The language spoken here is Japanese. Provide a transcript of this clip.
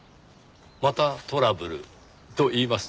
「またトラブル」といいますと？